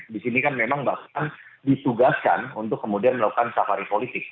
di sini kan memang bas bas disugaskan untuk kemudian melakukan safari politik